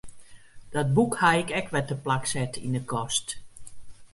Dat boek haw ik wer teplak set yn 'e kast.